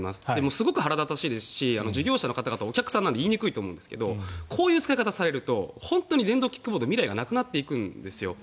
すごく腹立たしいですし事業者の方々はお客さんなので言いにくいと思うんですがこういう使い方をされると本当に電動キックボード未来がなくなっていくんですよ。